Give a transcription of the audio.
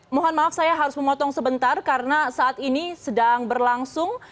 jadi mohon maaf saya harus memotong sebentar karena saat ini sedang berlangsung